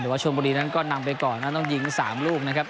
ว่าชนบุรีนั้นก็นำไปก่อนนั้นต้องยิง๓ลูกนะครับ